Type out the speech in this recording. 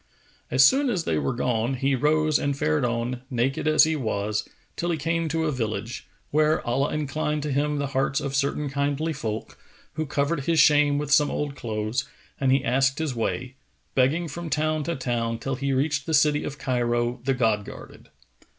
As soon as they were gone, he rose and fared on, naked as he was, till he came to a village, where Allah inclined to him the hearts of certain kindly folk, who covered his shame with some old clothes; and he asked his way, begging from town to town, till he reached the city of Cairo the God guarded.